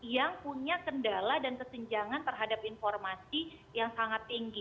yang punya kendala dan kesenjangan terhadap informasi yang sangat tinggi